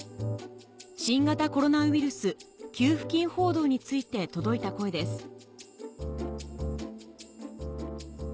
新型コロナウイルス給付金報道について届いた声です